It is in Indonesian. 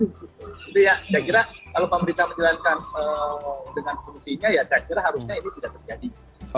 jadi ya saya kira kalau pemerintah menjalankan dengan fungsinya ya saya kira harusnya ini bisa terjadi